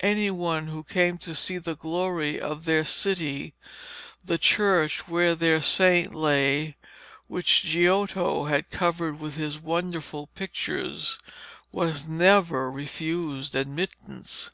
Any one who came to see the glory of their city, the church where their saint lay, which Giotto had covered with his wonderful pictures, was never refused admittance.